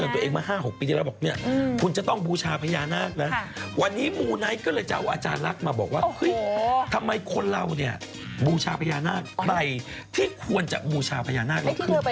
ที่จะบุชาพญานาคไปที่ควรจะบุชาพญานาค